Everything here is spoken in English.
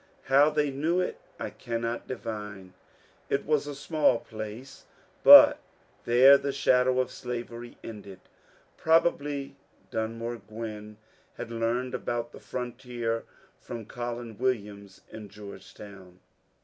How they knew it I cannot divine ; it was a small place, but there the shadow of slavery ended. Probably Dun more Gwinn had learned about the frontier from Collin Williams in Georgetown.